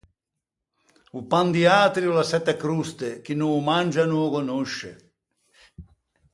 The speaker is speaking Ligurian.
O pan di atri o l’à sette croste, chi no ô mangia no ô conosce.